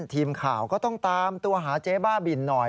ทีมข่าวก็ต้องตามตัวหาเจ๊บ้าบินหน่อย